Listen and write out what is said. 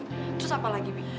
terus apalagi bi